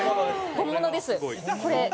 本物ですこれ。